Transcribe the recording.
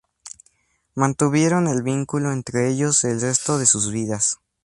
Mantuvieron el vínculo entre ellos el resto de sus vidas.